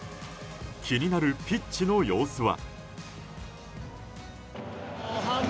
気になるピッチの様子は。